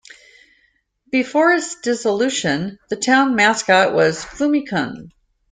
Before its dissolution, the town mascot was "Fumi-kun".